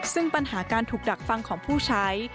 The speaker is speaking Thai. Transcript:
ซึ่งปัญหาการถูกดักฟังของผู้ใช้